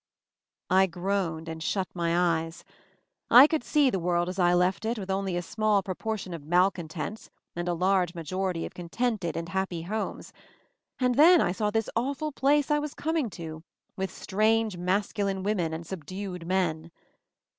I groaned and shut my eyes. I could see the world as I left it, with only a small pro portion of malcontents and a large majority of contented and happy homes; and then I saw this awful place I was coming to, with strange, masculine women and subdued men.